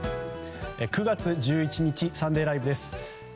９月１１日「サンデーＬＩＶＥ！！」です。